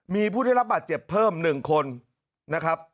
มีผู้ได้รับบาดเจ็บเพิ่ม๑คนนะครับ